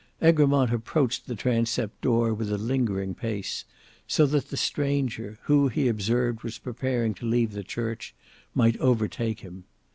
Egremont approached the transept door with a lingering pace, so that the stranger, who he observed was preparing to leave the church, might overtake him.